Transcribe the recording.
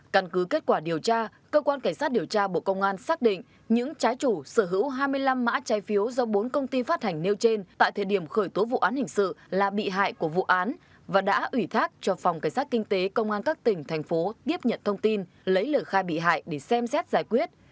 căn cứ kết quả điều tra cơ quan cảnh sát điều tra bộ công an xác định những trái chủ sở hữu hai mươi năm mã trái phiếu do bốn công ty phát hành nêu trên tại thời điểm khởi tố vụ án hình sự là bị hại của vụ án và đã ủy thác cho phòng cảnh sát kinh tế công an các tỉnh thành phố tiếp nhận thông tin lấy lời khai bị hại để xem xét giải quyết